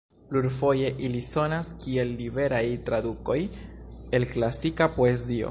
Plurfoje ili sonas kiel liberaj tradukoj el klasika poezio.